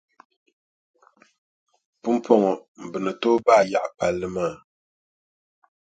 Pumpɔŋɔ bɛ ni tooi baai yaɣi palli maa.